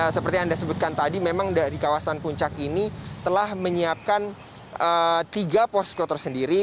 seperti anda sebutkan tadi memang dari kawasan puncak ini telah menyiapkan tiga posko tersendiri